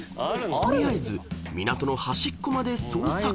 ［取りあえず港の端っこまで捜索］